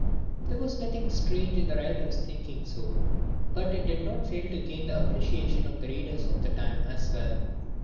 There was nothing strange in the writer's thinking so; but it did not fail to gain the appreciation of the readers of the time as well.